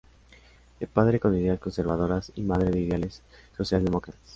De padre con ideas conservadoras y madre de ideales socialdemócratas.